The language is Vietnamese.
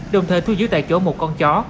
đồng thời thu giữ tại chỗ một con chó